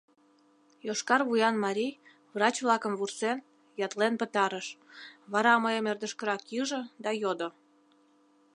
Йошкар вуян марий врач-влакым вурсен, ятлен пытарыш; вара мыйым ӧрдыжкырак ӱжӧ да йодо: